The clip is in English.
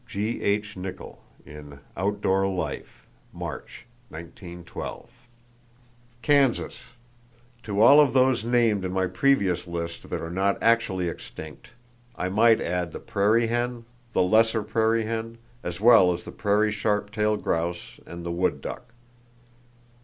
—(G.H. Nicol, in Outdoor Life March, 1912.) Kansas: To all of those named in my previous list that are not actually extinct, I might add the prairie hen, the lesser prairie hen, as well as the prairie sharp tailed grouse and the wood duck.